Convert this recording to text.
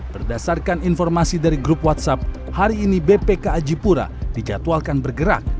berdasarkan informasi dari grup whatsapp hari ini bpk ajipura dijadwalkan bergerak